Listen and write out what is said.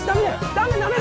ダメダメ！